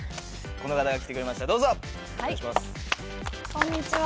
こんにちは！